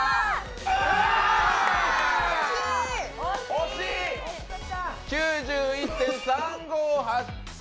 惜しい！９１．５５３